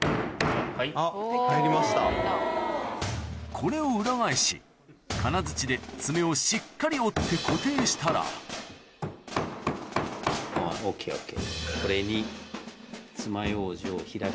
これを裏返し金づちでつめをしっかり折って固定したらＯＫＯＫ。